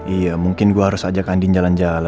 iya mungkin gue harus ajak andin jalan jalan